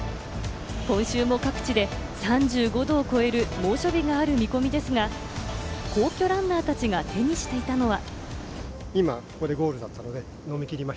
今週も各地で３５度を超える猛暑日がある見込みですが、皇居ランナーたちが手にしていたのは。